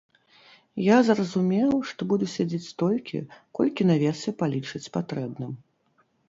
Я зразумеў, што буду сядзець столькі, колькі наверсе палічаць патрэбным.